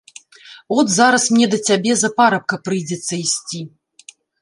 От зараз мне да цябе за парабка прыйдзецца ісці.